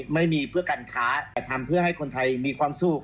ไม่มีเพื่อการค้าแต่ทำเพื่อให้คนไทยมีความสู้